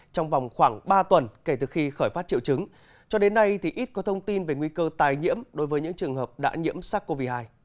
trong vòng khoảng ba tuần kể từ khi khởi phát triệu chứng cho đến nay ít có thông tin về nguy cơ tài nhiễm đối với những trường hợp đã nhiễm sars cov hai